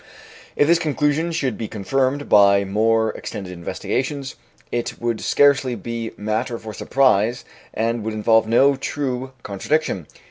If this conclusion should be confirmed by more extended investigations, it would scarcely be matter for surprise and would involve no true contradiction.